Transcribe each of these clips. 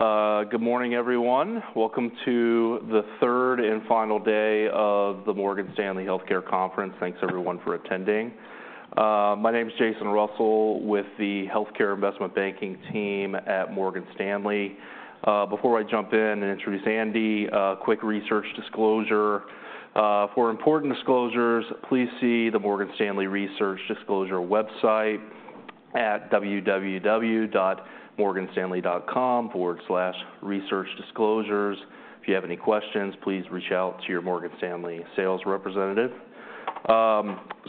We're on. Good morning, everyone. Welcome to the third and final day of the Morgan Stanley Healthcare Conference. Thanks everyone for attending. My name is Jason Russell with the Healthcare Investment Banking team at Morgan Stanley. Before I jump in and introduce Andy, a quick research disclosure. "For important disclosures, please see the Morgan Stanley Research Disclosure website at www.morganstanley.com/researchdisclosures. If you have any questions, please reach out to your Morgan Stanley sales representative.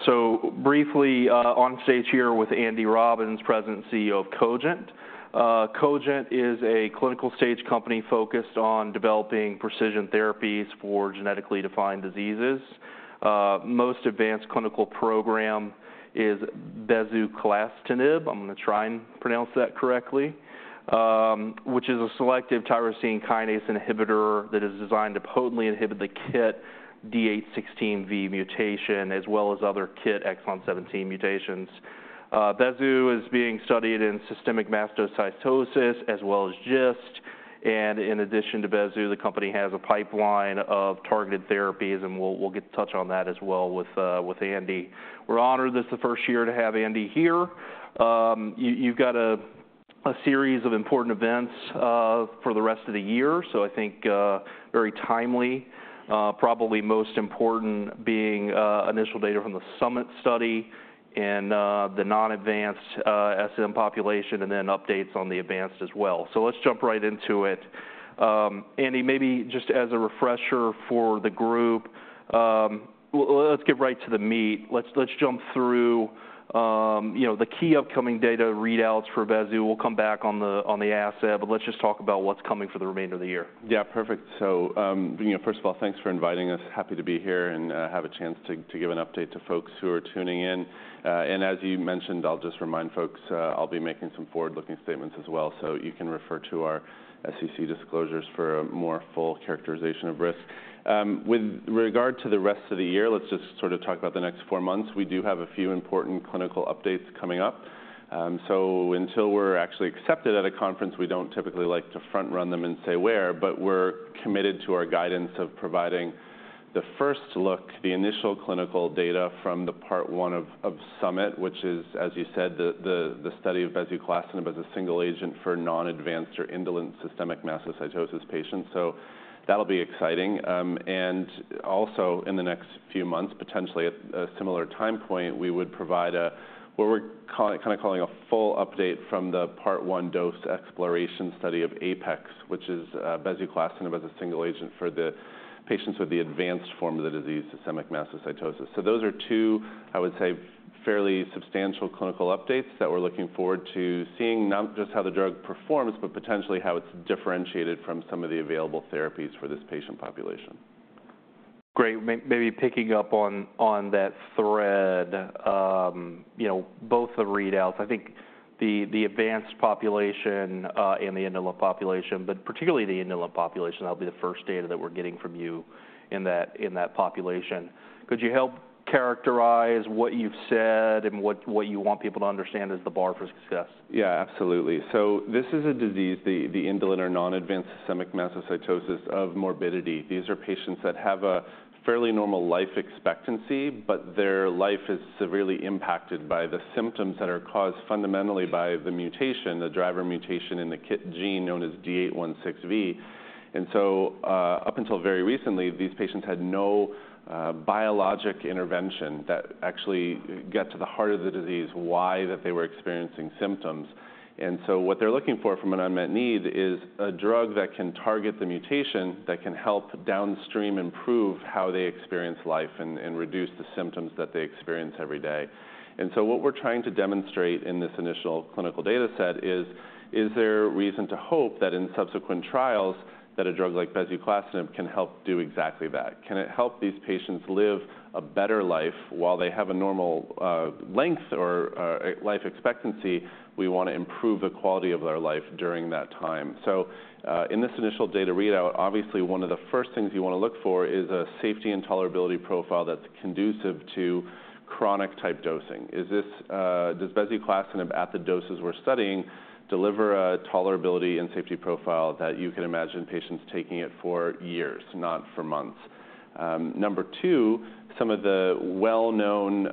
So briefly, on stage here with Andy Robbins, President and CEO of Cogent. Cogent is a clinical stage company focused on developing precision therapies for genetically defined diseases. Most advanced clinical program is bezuclastinib. I'm gonna try and pronounce that correctly. Which is a selective tyrosine kinase inhibitor that is designed to potently inhibit the KIT D816V mutation, as well as other KIT exon 17 mutations. Bezu is being studied in systemic mastocytosis, as well as GIST. And in addition to Bezu, the company has a pipeline of targeted therapies, and we'll get to touch on that as well with Andy. We're honored this is the first year to have Andy here. You've got a series of important events for the rest of the year, so I think very timely, probably most important being initial data from the SUMMIT study and the non-advanced SM population, and then updates on the advanced as well. So let's jump right into it. Andy, maybe just as a refresher for the group, let's get right to the meat. Let's jump through, you know, the key upcoming data readouts for Bezu. We'll come back on the asset, but let's just talk about what's coming for the remainder of the year. Yeah, perfect. So, you know, first of all, thanks for inviting us. Happy to be here and have a chance to give an update to folks who are tuning in. And as you mentioned, I'll just remind folks, I'll be making some forward-looking statements as well, so you can refer to our SEC disclosures for a more full characterization of risk. With regard to the rest of the year, let's just sort of talk about the next four months. We do have a few important clinical updates coming up. So until we're actually accepted at a conference, we don't typically like to front run them and say where, but we're committed to our guidance of providing the first look, the initial clinical data from the part one of SUMMIT, which is, as you said, the study of bezuclastinib as a single agent for non-advanced or indolent systemic mastocytosis patients. So that'll be exciting. And also in the next few months, potentially at a similar time point, we would provide a what we're kind of calling a full update from the part one dose exploration study of APEX, which is bezuclastinib as a single agent for the patients with the advanced form of the disease, systemic mastocytosis. Those are two, I would say, fairly substantial clinical updates that we're looking forward to seeing, not just how the drug performs, but potentially how it's differentiated from some of the available therapies for this patient population. Great. Maybe picking up on that thread, you know, both the readouts, I think the advanced population and the indolent population, but particularly the indolent population, that'll be the first data that we're getting from you in that population. Could you help characterize what you've said and what you want people to understand as the bar for success? Yeah, absolutely. So this is a disease, the indolent or non-advanced systemic mastocytosis of morbidity. These are patients that have a fairly normal life expectancy, but their life is severely impacted by the symptoms that are caused fundamentally by the mutation, the driver mutation in the KIT gene, known as D816V. And so, up until very recently, these patients had no biologic intervention that actually got to the heart of the disease, why that they were experiencing symptoms. And so what they're looking for from an unmet need is a drug that can target the mutation, that can help downstream improve how they experience life and reduce the symptoms that they experience every day. What we're trying to demonstrate in this initial clinical data set is there reason to hope that in subsequent trials, that a drug like bezuclastinib can help do exactly that? Can it help these patients live a better life? While they have a normal length or life expectancy, we want to improve the quality of their life during that time. So, in this initial data readout, obviously one of the first things you want to look for is a safety and tolerability profile that's conducive to chronic type dosing. Does bezuclastinib at the doses we're studying deliver a tolerability and safety profile that you can imagine patients taking it for years, not for months? Number two, some of the well-known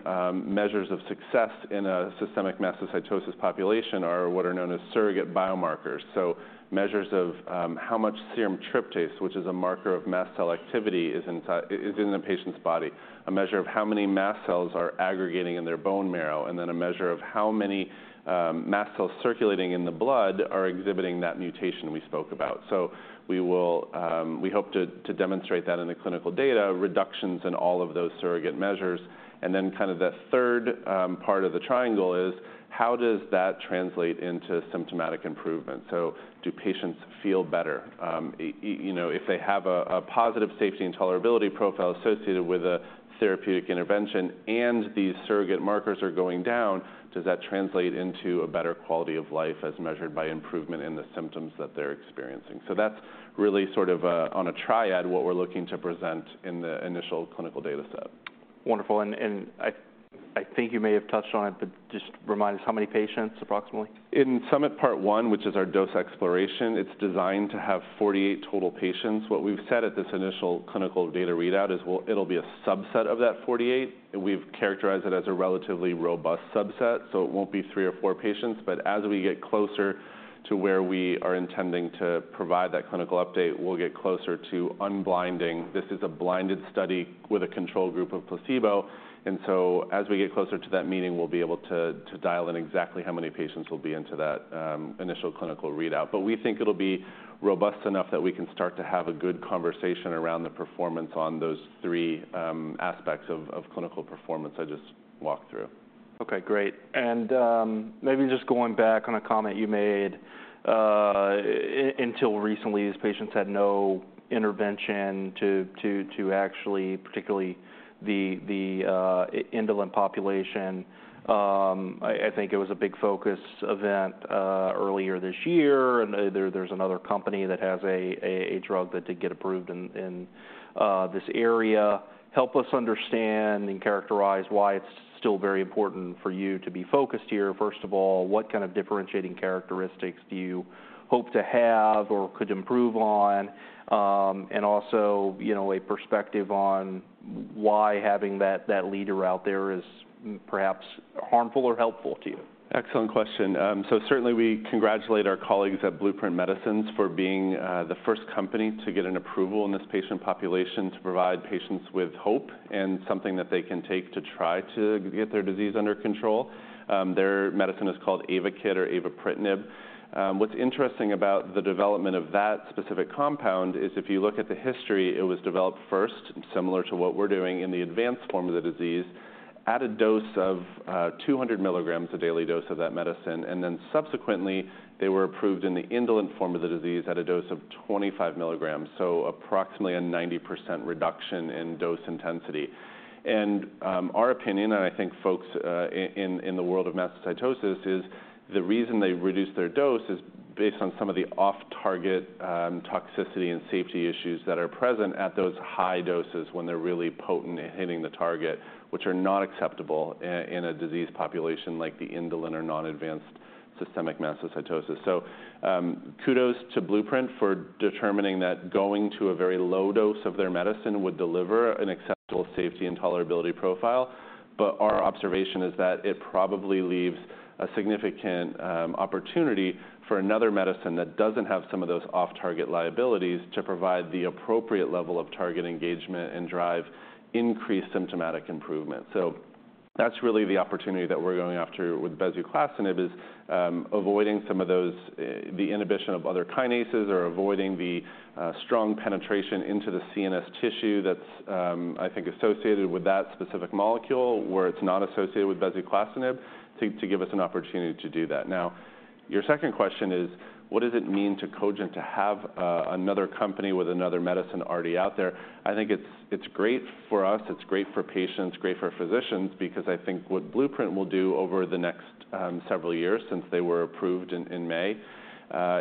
measures of success in a systemic mastocytosis population are what are known as surrogate biomarkers. So measures of how much serum tryptase, which is a marker of mast cell activity, is in the patient's body, a measure of how many mast cells are aggregating in their bone marrow, and then a measure of how many mast cells circulating in the blood are exhibiting that mutation we spoke about. So we will we hope to demonstrate that in the clinical data, reductions in all of those surrogate measures. And then kind of the third part of the triangle is, how does that translate into symptomatic improvement? So do patients feel better? You know, if they have a positive safety and tolerability profile associated with a therapeutic intervention, and these surrogate markers are going down, does that translate into a better quality of life as measured by improvement in the symptoms that they're experiencing? That's really sort of, on a triad, what we're looking to present in the initial clinical data set.... Wonderful. I think you may have touched on it, but just remind us, how many patients approximately? In SUMMIT part one, which is our dose exploration, it's designed to have 48 total patients. What we've said at this initial clinical data readout is it'll be a subset of that 48, and we've characterized it as a relatively robust subset, so it won't be three or four patients. But as we get closer to where we are intending to provide that clinical update, we'll get closer to unblinding. This is a blinded study with a control group of placebo, and so as we get closer to that meeting, we'll be able to dial in exactly how many patients will be into that initial clinical readout. But we think it'll be robust enough that we can start to have a good conversation around the performance on those three aspects of clinical performance I just walked through. Okay, great. And maybe just going back on a comment you made, until recently, these patients had no intervention to actually, particularly the indolent population. I think it was a big focus event earlier this year, and there's another company that has a drug that did get approved in this area. Help us understand and characterize why it's still very important for you to be focused here. First of all, what kind of differentiating characteristics do you hope to have or could improve on? And also, you know, a perspective on why having that leader out there is perhaps harmful or helpful to you. Excellent question. So certainly we congratulate our colleagues at Blueprint Medicines for being, the first company to get an approval in this patient population, to provide patients with hope and something that they can take to try to get their disease under control. Their medicine is called AYVAKIT or avapritinib. What's interesting about the development of that specific compound is, if you look at the history, it was developed first, similar to what we're doing in the advanced form of the disease, at a dose of, 200 milligrams, a daily dose of that medicine, and then subsequently, they were approved in the indolent form of the disease at a dose of 25 milligrams, so approximately a 90% reduction in dose intensity. Our opinion, and I think folks in the world of mastocytosis, is the reason they reduced their dose is based on some of the off-target toxicity and safety issues that are present at those high doses when they're really potent and hitting the target, which are not acceptable in a disease population like the indolent or non-advanced systemic mastocytosis. So, kudos to Blueprint for determining that going to a very low dose of their medicine would deliver an acceptable safety and tolerability profile, but our observation is that it probably leaves a significant opportunity for another medicine that doesn't have some of those off-target liabilities to provide the appropriate level of target engagement and drive increased symptomatic improvement. So that's really the opportunity that we're going after with bezuclastinib, is, avoiding some of those, the inhibition of other kinases or avoiding the, strong penetration into the CNS tissue that's, I think, associated with that specific molecule, where it's not associated with bezuclastinib, to, to give us an opportunity to do that. Now, your second question is, what does it mean to Cogent to have, another company with another medicine already out there? I think it's, it's great for us, it's great for patients, great for physicians, because I think what Blueprint will do over the next, several years since they were approved in, in May,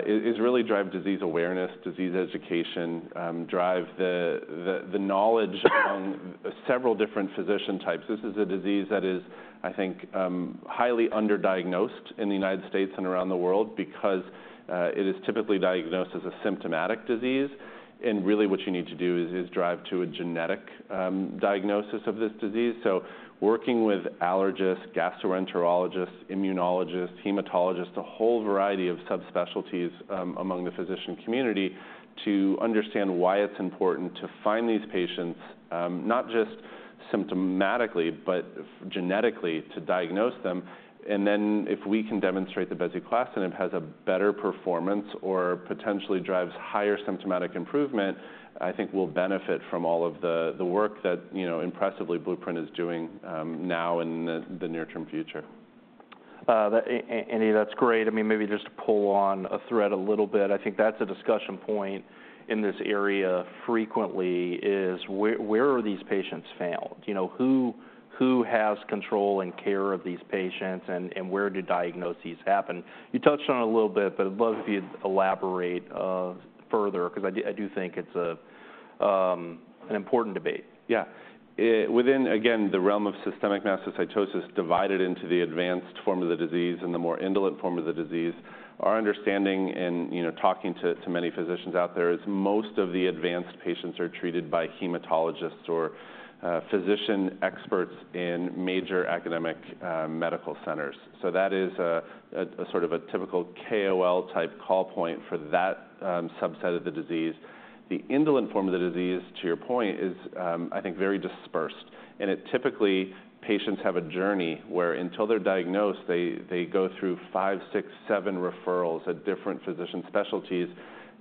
is really drive disease awareness, disease education, drive the knowledge among several different physician types. This is a disease that is, I think, highly underdiagnosed in the United States and around the world because it is typically diagnosed as a symptomatic disease. And really, what you need to do is drive to a genetic diagnosis of this disease. So working with allergists, gastroenterologists, immunologists, hematologists, a whole variety of subspecialties among the physician community, to understand why it's important to find these patients not just symptomatically, but genetically to diagnose them. And then if we can demonstrate that bezuclastinib has a better performance or potentially drives higher symptomatic improvement, I think we'll benefit from all of the work that, you know, impressively Blueprint is doing now in the near-term future. Andy, that's great. I mean, maybe just to pull on a thread a little bit, I think that's a discussion point in this area frequently, is where these patients found? You know, who has control and care of these patients, and where do diagnoses happen? You touched on it a little bit, but I'd love if you'd elaborate further, 'cause I do think it's an important debate. Yeah. Within, again, the realm of systemic mastocytosis divided into the advanced form of the disease and the more indolent form of the disease, our understanding in, you know, talking to many physicians out there is most of the advanced patients are treated by hematologists or physician experts in major academic medical centers. So that is a sort of a typical KOL-type call point for that subset of the disease. The indolent form of the disease, to your point, is, I think, very dispersed, and it... Typically, patients have a journey where, until they're diagnosed, they go through 5, 6, 7 referrals at different physician specialties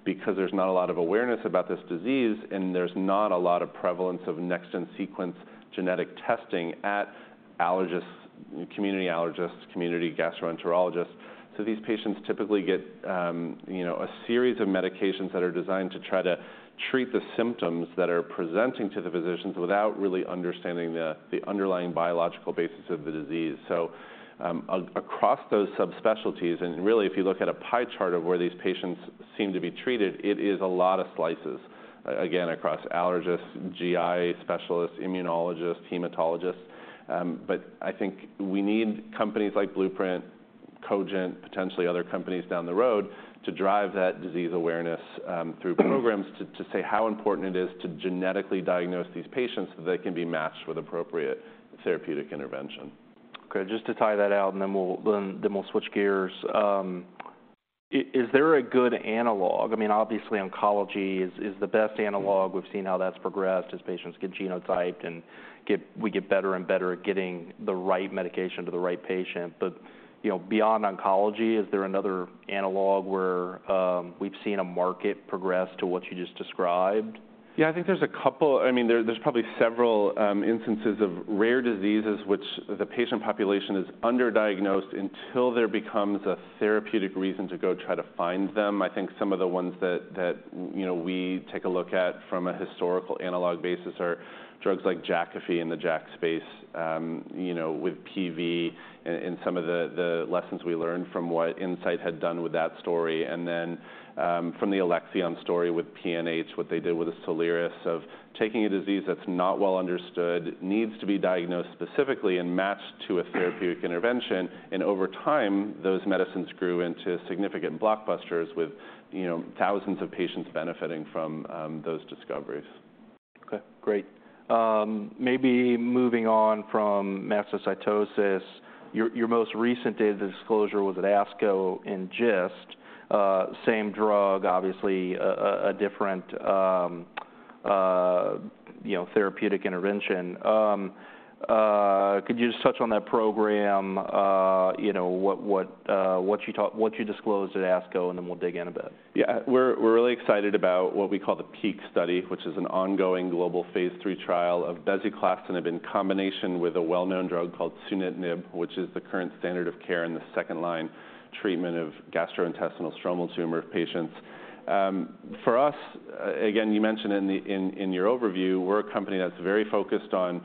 because there's not a lot of awareness about this disease and there's not a lot of prevalence of next-gen sequence genetic testing at allergists, community allergists, community gastroenterologists. So these patients typically get, you know, a series of medications that are designed to try to treat the symptoms that are presenting to the physicians without really understanding the, the underlying biological basis of the disease. So, across those subspecialties, and really, if you look at a pie chart of where these patients seem to be treated, it is a lot of slices, again, across allergists, GI specialists, immunologists, hematologists. But I think we need companies like Blueprint, Cogent, potentially other companies down the road, to drive that disease awareness, through programs to say how important it is to genetically diagnose these patients, so they can be matched with appropriate therapeutic intervention. Okay, just to tie that out, and then we'll switch gears. Is there a good analog? I mean, obviously, oncology is the best analog. We've seen how that's progressed as patients get genotyped and we get better and better at getting the right medication to the right patient. But, you know, beyond oncology, is there another analog where we've seen a market progress to what you just described? Yeah, I think there's a couple. I mean, there's probably several instances of rare diseases which the patient population is underdiagnosed until there becomes a therapeutic reason to go try to find them. I think some of the ones that you know, we take a look at from a historical analog basis are drugs like Jakafi in the JAK space, you know, with PV and some of the lessons we learned from what Incyte had done with that story. And then, from the Alexion story with PNH, what they did with Soliris, of taking a disease that's not well understood, needs to be diagnosed specifically and matched to a therapeutic intervention, and over time, those medicines grew into significant blockbusters with you know, thousands of patients benefiting from those discoveries. Okay, great. Maybe moving on from mastocytosis, your most recent data disclosure was at ASCO in GIST, same drug, obviously, a different, you know, therapeutic intervention. Could you just touch on that program? You know, what you disclosed at ASCO, and then we'll dig in a bit. Yeah. We're, we're really excited about what we call the PEAK study, which is an ongoing global Phase III trial of bezuclastinib in combination with a well-known drug called sunitinib, which is the current standard of care in the second-line treatment of gastrointestinal stromal tumor patients. For us, again, you mentioned in your overview, we're a company that's very focused on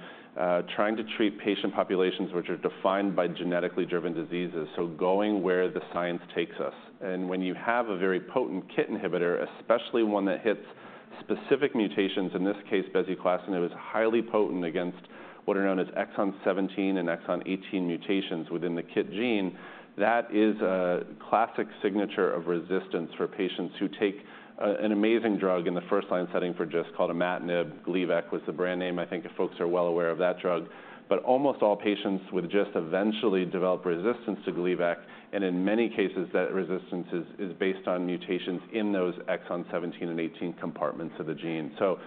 trying to treat patient populations which are defined by genetically driven diseases, so going where the science takes us. And when you have a very potent KIT inhibitor, especially one that hits specific mutations, in this case, bezuclastinib is highly potent against what are known as exon 17 and exon 18 mutations within the KIT gene, that is a classic signature of resistance for patients who take an amazing drug in the first-line setting for GIST called imatinib. Gleevec was the brand name. I think folks are well aware of that drug. But almost all patients with GIST eventually develop resistance to Gleevec, and in many cases, that resistance is based on mutations in those exon 17 and 18 compartments of the gene. So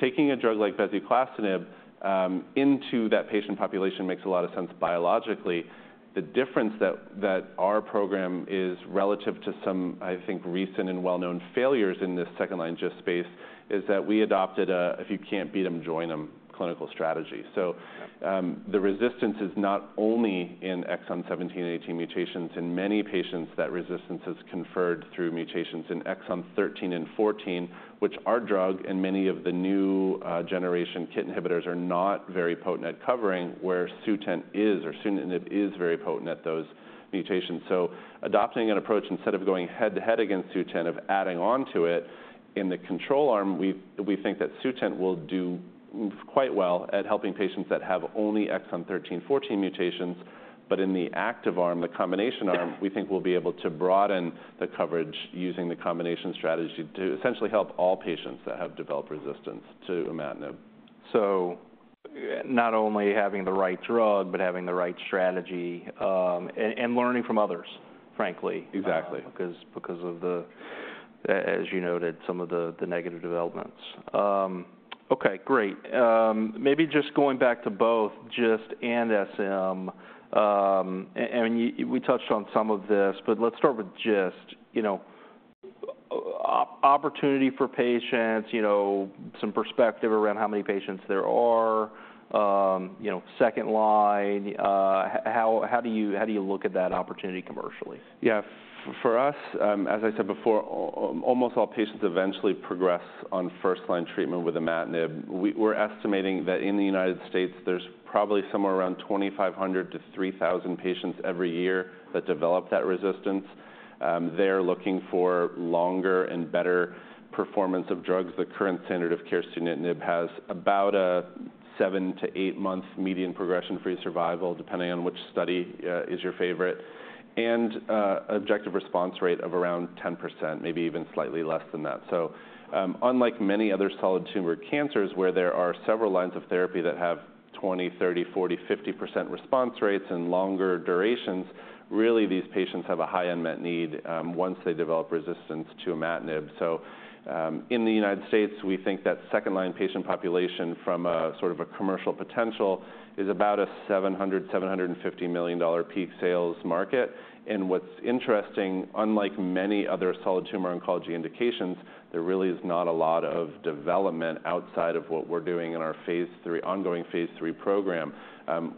taking a drug like bezuclastinib into that patient population makes a lot of sense biologically. The difference that our program is relative to some, I think, recent and well-known failures in this second-line GIST space, is that we adopted a "If you can't beat them, join them" clinical strategy. So the resistance is not only in exon 17 and 18 mutations. In many patients, that resistance is conferred through mutations in exon 13 and 14, which our drug and many of the new generation KIT inhibitors are not very potent at covering, where Sutent is or sunitinib is very potent at those mutations. So adopting an approach, instead of going head-to-head against Sutent, of adding on to it, in the control arm, we think that Sutent will do quite well at helping patients that have only exon 13, 14 mutations. But in the active arm, the combination arm, we think we'll be able to broaden the coverage using the combination strategy to essentially help all patients that have developed resistance to imatinib. So not only having the right drug, but having the right strategy, and learning from others, frankly- Exactly... because of the, as you noted, some of the, the negative developments. Okay, great. Maybe just going back to both GIST and SM, and we touched on some of this, but let's start with GIST. You know, opportunity for patients, you know, some perspective around how many patients there are, you know, second line, how do you, how do you look at that opportunity commercially? Yeah. For us, as I said before, almost all patients eventually progress on first-line treatment with imatinib. We're estimating that in the United States, there's probably somewhere around 2,500-3,000 patients every year that develop that resistance. They're looking for longer and better performance of drugs. The current standard of care, sunitinib, has about a 7-8 months median progression-free survival, depending on which study is your favorite, and objective response rate of around 10%, maybe even slightly less than that. So, unlike many other solid tumor cancers, where there are several lines of therapy that have 20%, 30%, 40%, 50% response rates and longer durations, really, these patients have a high unmet need once they develop resistance to imatinib. In the United States, we think that second-line patient population from a sort of a commercial potential is about a $700-$750 million peak sales market. And what's interesting, unlike many other solid tumor oncology indications, there really is not a lot of development outside of what we're doing in our ongoing Phase III program.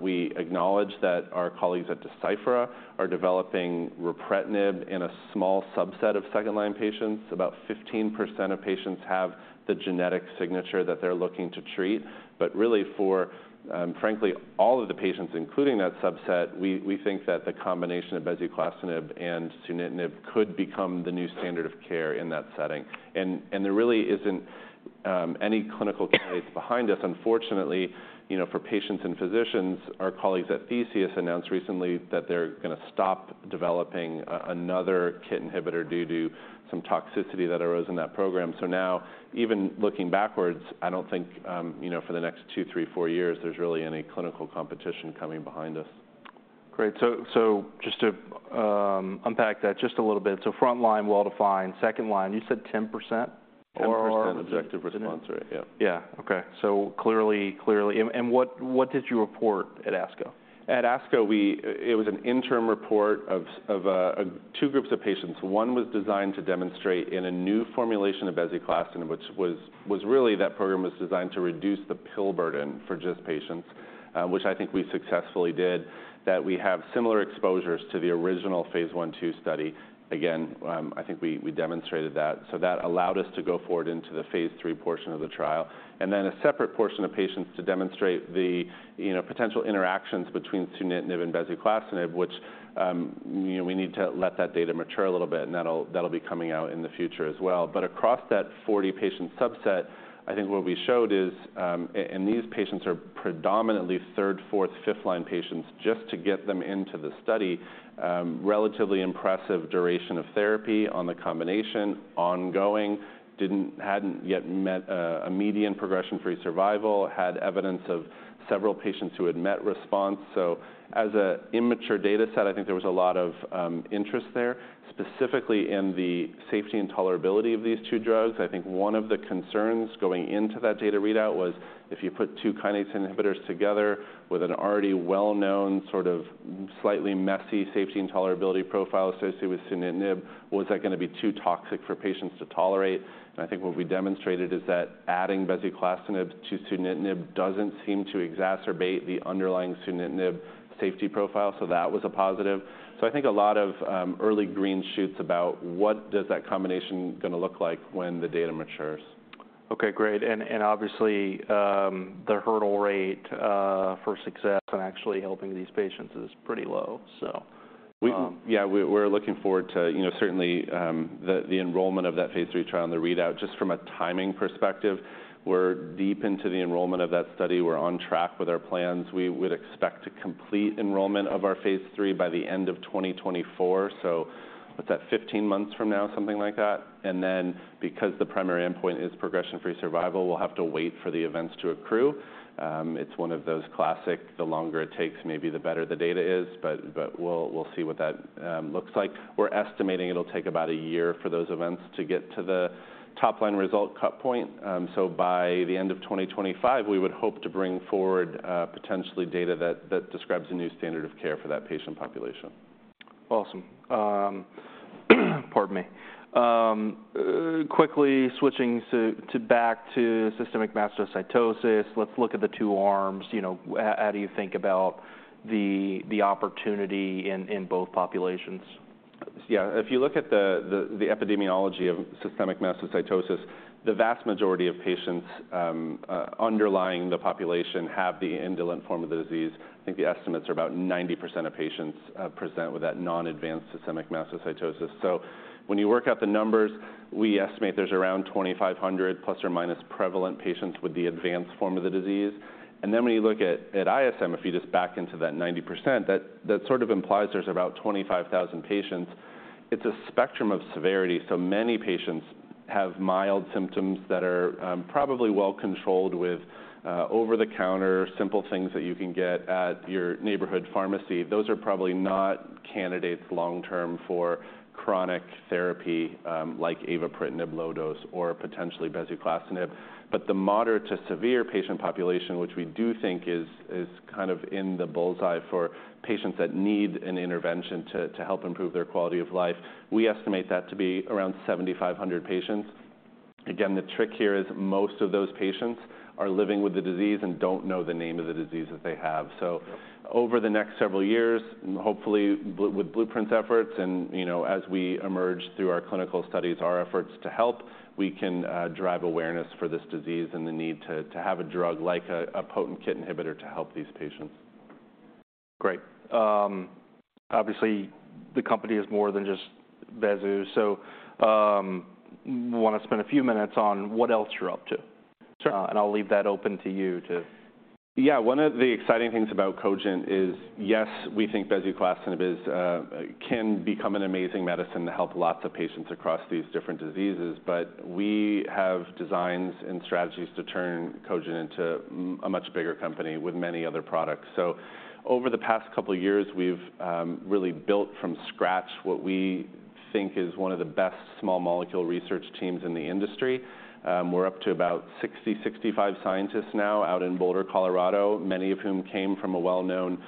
We acknowledge that our colleagues at Deciphera are developing ripretinib in a small subset of second-line patients. About 15% of patients have the genetic signature that they're looking to treat. But really for, frankly, all of the patients, including that subset, we think that the combination of bezuclastinib and sunitinib could become the new standard of care in that setting. And there really isn't any clinical candidates behind us. Unfortunately, you know, for patients and physicians, our colleagues at Theseus announced recently that they're going to stop developing another KIT inhibitor due to some toxicity that arose in that program. So now, even looking backwards, I don't think, you know, for the next 2, 3, 4 years, there's really any clinical competition coming behind us. Great. So, so just to, unpack that just a little bit. So front line, well-defined. Second line, you said 10%? Or- 10% objective response rate, yeah. Yeah. Okay. So clearly... And what did you report at ASCO? At ASCO, it was an interim report of two groups of patients. One was designed to demonstrate in a new formulation of bezuclastinib, which was really that program was designed to reduce the pill burden for GIST patients, which I think we successfully did, that we have similar exposures to the original Phase I, II study. Again, I think we demonstrated that. So that allowed us to go forward into the Phase III portion of the trial, and then a separate portion of patients to demonstrate the, you know, potential interactions between sunitinib and bezuclastinib, which, you know, we need to let that data mature a little bit, and that'll be coming out in the future as well. But across that 40 patient subset, I think what we showed is, and these patients are predominantly third, fourth, fifth line patients, just to get them into the study, relatively impressive duration of therapy on the combination, ongoing, hadn't yet met a median progression-free survival, had evidence of several patients who had met response. So as an immature data set, I think there was a lot of interest there, specifically in the safety and tolerability of these two drugs. I think one of the concerns going into that data readout was if you put two kinase inhibitors together with an already well-known, sort of slightly messy safety and tolerability profile associated with sunitinib, was that going to be too toxic for patients to tolerate? I think what we demonstrated is that adding bezuclastinib to sunitinib doesn't seem to exacerbate the underlying sunitinib safety profile, so that was a positive. I think a lot of early green shoots about what is that combination going to look like when the data matures. Okay, great. And obviously, the hurdle rate for success in actually helping these patients is pretty low. So, Yeah, we, we're looking forward to, you know, certainly, the enrollment of that Phase III trial and the readout, just from a timing perspective. We're deep into the enrollment of that study. We're on track with our plans. We would expect to complete enrollment of our Phase III by the end of 2024. So what's that? 15 months from now, something like that. And then, because the primary endpoint is progression-free survival, we'll have to wait for the events to accrue. It's one of those classic, the longer it takes, maybe the better the data is, but we'll see what that looks like. We're estimating it'll take about a year for those events to get to the top line result cut point. By the end of 2025, we would hope to bring forward, potentially data that describes a new standard of care for that patient population. Awesome. Pardon me. Quickly switching to back to systemic mastocytosis. Let's look at the two arms. You know, how do you think about the opportunity in both populations? Yeah. If you look at the epidemiology of systemic mastocytosis, the vast majority of patients underlying the population have the indolent form of the disease. I think the estimates are about 90% of patients present with that non-advanced systemic mastocytosis. So when you work out the numbers, we estimate there's around 2,500 ± prevalent patients with the advanced form of the disease. And then when you look at ISM, if you just back into that 90%, that sort of implies there's about 25,000 patients. It's a spectrum of severity, so many patients have mild symptoms that are probably well controlled with over-the-counter, simple things that you can get at your neighborhood pharmacy. Those are probably not candidates long term for chronic therapy like avapritinib low dose or potentially bezuclastinib. But the moderate to severe patient population, which we do think is kind of in the bull's eye for patients that need an intervention to help improve their quality of life, we estimate that to be around 7,500 patients. Again, the trick here is most of those patients are living with the disease and don't know the name of the disease that they have. Soover the next several years, hopefully, with Blueprint's efforts and, you know, as we emerge through our clinical studies, our efforts to help, we can drive awareness for this disease and the need to have a drug like a potent KIT inhibitor to help these patients. Great. Obviously, the company is more than just BEZU. So, want to spend a few minutes on what else you're up to. Sure. I'll leave that open to you to— Yeah, one of the exciting things about Cogent is, yes, we think bezuclastinib is can become an amazing medicine to help lots of patients across these different diseases, but we have designs and strategies to turn Cogent into a much bigger company with many other products. So over the past couple of years, we've really built from scratch what we think is one of the best small molecule research teams in the industry. We're up to about 60-65 scientists now out in Boulder, Colorado, many of whom came from a well-known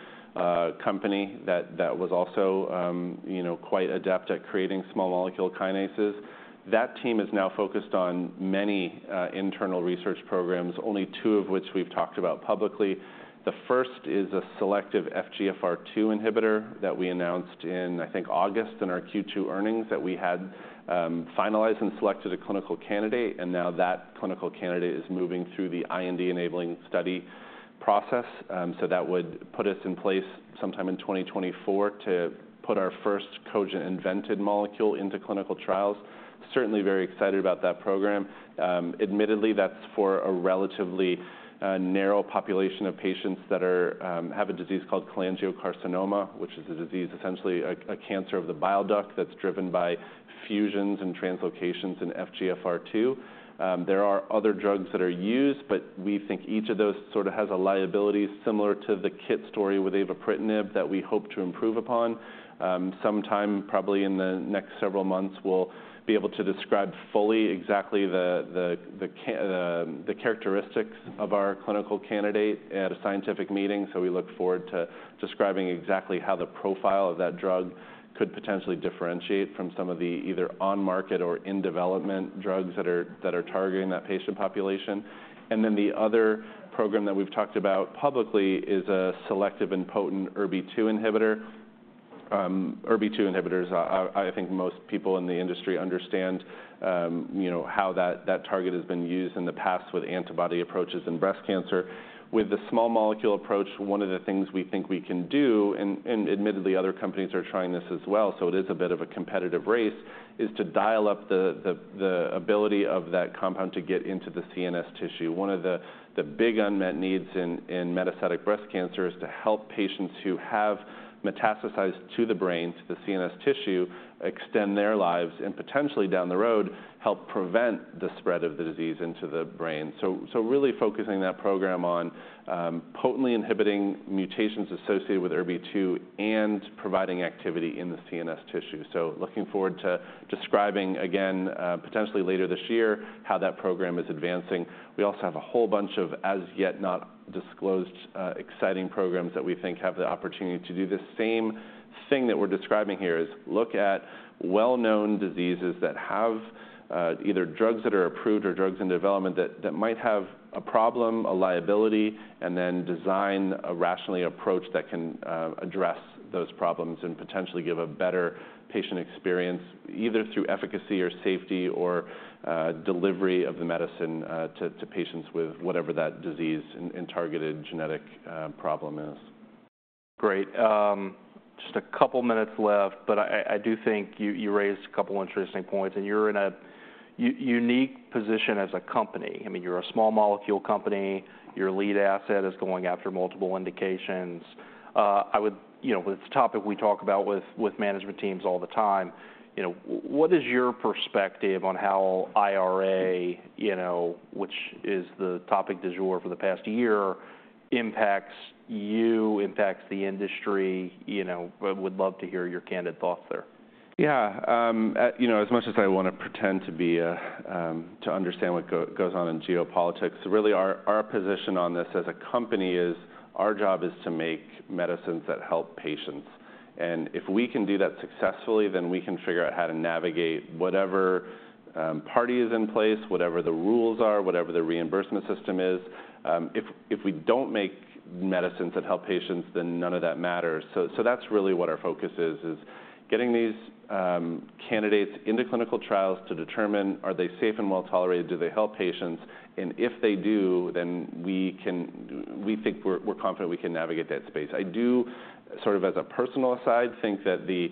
company that was also, you know, quite adept at creating small molecule kinases. That team is now focused on many internal research programs, only two of which we've talked about publicly. The first is a selective FGFR2 inhibitor that we announced in, I think, August, in our Q2 earnings, that we had finalized and selected a clinical candidate, and now that clinical candidate is moving through the IND-enabling study process. So that would put us in place sometime in 2024 to put our first Cogent invented molecule into clinical trials. Certainly very excited about that program. Admittedly, that's for a relatively narrow population of patients that have a disease called cholangiocarcinoma, which is a disease, essentially a cancer of the bile duct that's driven by fusions and translocations in FGFR2. There are other drugs that are used, but we think each of those sort of has a liability similar to the KIT story with avapritinib that we hope to improve upon. Sometime probably in the next several months, we'll be able to describe fully exactly the characteristics of our clinical candidate at a scientific meeting, so we look forward to describing exactly how the profile of that drug could potentially differentiate from some of the either on-market or in-development drugs that are targeting that patient population. And then the other program that we've talked about publicly is a selective and potent ERBB2 inhibitor. ERBB2 inhibitors, I think most people in the industry understand, you know, how that target has been used in the past with antibody approaches in breast cancer. With the small molecule approach, one of the things we think we can do, and admittedly, other companies are trying this as well, so it is a bit of a competitive race, is to dial up the ability of that compound to get into the CNS tissue. One of the big unmet needs in metastatic breast cancer is to help patients who have metastasized to the brain, to the CNS tissue, extend their lives, and potentially down the road, help prevent the spread of the disease into the brain. So really focusing that program on potently inhibiting mutations associated with ERBB2 and providing activity in the CNS tissue. So looking forward to describing again potentially later this year, how that program is advancing. We also have a whole bunch of as-yet-not-disclosed, exciting programs that we think have the opportunity to do the same thing that we're describing here, is look at well-known diseases that have, either drugs that are approved or drugs in development that might have a problem, a liability, and then design a rational approach that can, address those problems and potentially give a better patient experience, either through efficacy or safety or, delivery of the medicine, to patients with whatever that disease and targeted genetic, problem is. Great. Just a couple minutes left, but I do think you raised a couple interesting points, and you're in a unique position as a company. I mean, you're a small molecule company. Your lead asset is going after multiple indications. I would... You know, it's a topic we talk about with management teams all the time. You know, what is your perspective on how IRA, you know, which is the topic du jour for the past year, impacts you, impacts the industry? You know, I would love to hear your candid thoughts there. Yeah. You know, as much as I want to pretend to understand what goes on in geopolitics, really, our position on this as a company is, our job is to make medicines that help patients, and if we can do that successfully, then we can figure out how to navigate whatever party is in place, whatever the rules are, whatever the reimbursement system is. If we don't make medicines that help patients, then none of that matters. So that's really what our focus is, getting these candidates into clinical trials to determine are they safe and well-tolerated, do they help patients, and if they do, then we think we're confident we can navigate that space. I do, sort of as a personal aside, think that the,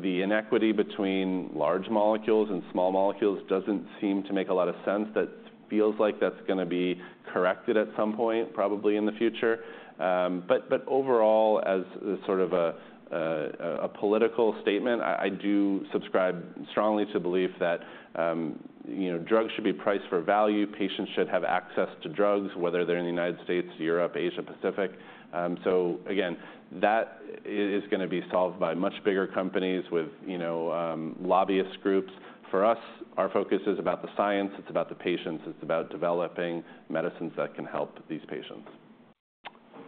the inequity between large molecules and small molecules doesn't seem to make a lot of sense. That feels like that's gonna be corrected at some point, probably in the future. But, but overall, as sort of a political statement, I do subscribe strongly to belief that, you know, drugs should be priced for value. Patients should have access to drugs, whether they're in the United States, Europe, Asia Pacific. So again, that is gonna be solved by much bigger companies with, you know, lobbyist groups. For us, our focus is about the science. It's about the patients. It's about developing medicines that can help these patients.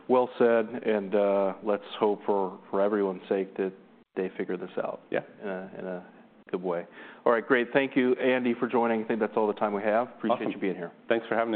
Well said, and let's hope, for everyone's sake, that they figure this out- Yeah... in a good way. All right, great. Thank you, Andy, for joining. I think that's all the time we have. Awesome. Appreciate you being here. Thanks for having me.